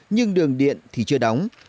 nhưng đường điện thì chưa đóng